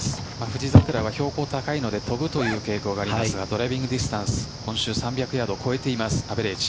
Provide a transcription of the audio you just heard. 富士桜は標高が高いので飛ぶという傾向がありますがドライビングディスタンス今週３００ヤードを超えています